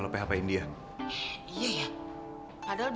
kalau mau ngapain itu baca bismillah